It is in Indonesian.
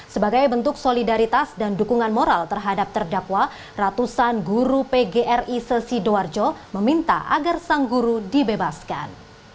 sebagai bentuk solidaritas dan dukungan moral terhadap terdakwa ratusan guru pgri sesidoarjo meminta agar sang guru dibebaskan